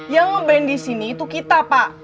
yang nge ban disini itu kita pak